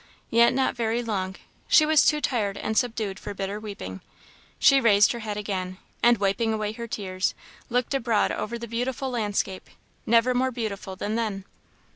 Yet not very long she was too tired and subdued for bitter weeping; she raised her head again, and wiping away her tears, looked abroad over the beautiful landscape never more beautiful than then.